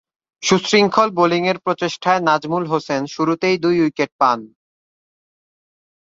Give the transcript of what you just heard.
সুশৃঙ্খল বোলিংয়ের প্রচেষ্টায় নাজমুল হোসেন শুরুতেই দুই উইকেট পান।